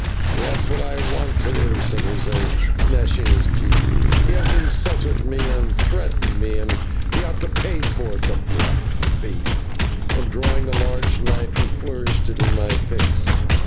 "That's what I want to do," said José, gnashing his teeth, "he has insulted me and threatened me, and ought to pay for it, the black thief," and, drawing a large knife, he flourished it in my face.